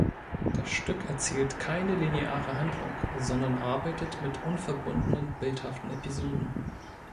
Das Stück erzählt keine lineare Handlung, sondern arbeitet mit unverbundenen, bildhaften Episoden.